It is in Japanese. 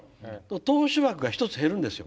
投手枠が１つ減るんですよ。